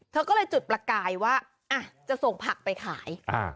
เธอก็เลยจุดประกายว่าจะส่งผักไปขาย